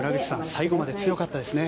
最後まで強かったですね。